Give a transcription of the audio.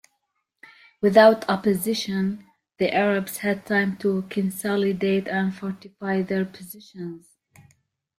Without opposition, the Arabs had time to consolidate and fortify their positions.